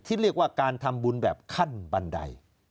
เรียกว่าการทำบุญแบบขั้นบันได